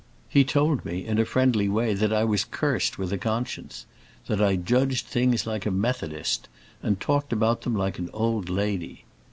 He told me, in a friendly way, that I was cursed with a conscience; that I judged things like a Methodist and talked about them like an old lady.